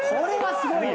すごいよ。